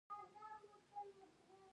په دې سره مزد د کارګر کار پټوي